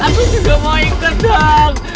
aku juga mau ikut dong